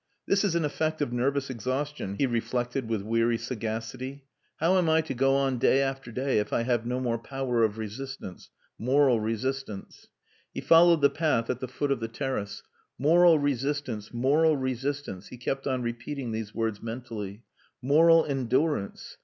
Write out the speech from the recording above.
"This is an effect of nervous exhaustion," he reflected with weary sagacity. "How am I to go on day after day if I have no more power of resistance moral resistance?" He followed the path at the foot of the terrace. "Moral resistance, moral resistance;" he kept on repeating these words mentally. Moral endurance.